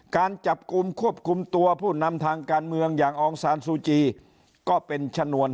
การจับกลุ่มควบคุมตัวผู้นำทางการเมืองอย่างอองซานซูจีก็เป็นชนวน